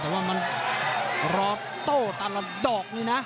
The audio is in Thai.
แต่ว่ามันรอโต้แต่ละดอกนี่นะ